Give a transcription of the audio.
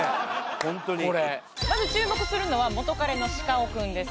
ホントにまず注目するのは元カレのシカオくんです